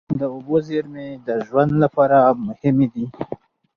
د اوبو زېرمې د ژوند لپاره مهمې دي.